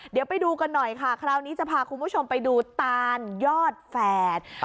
เดี๋ยวไปดูกันหน่อยค่ะคราวนี้จะพาคุณผู้ชมไปดูตานยอดแฝด